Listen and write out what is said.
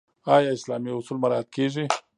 آیا اسلامي اصول مراعات کیږي؟